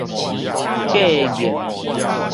過癮